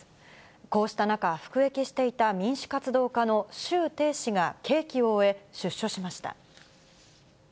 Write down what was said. こうした中、服役していた民主活動家の周庭氏が刑期を終え、出所しました。